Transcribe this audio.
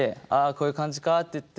こういう感じかっていって。